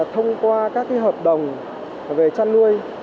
thông qua các hợp đồng về chăn nuôi